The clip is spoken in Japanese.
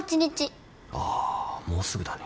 あーもうすぐだね。